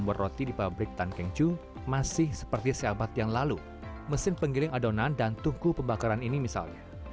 baru kita sudah itu tan keng choo nya sendiri